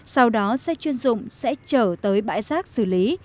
sau đó xe chuyên dụng sẽ trở tới bãi rác xử lý